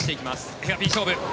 ヘアピン勝負。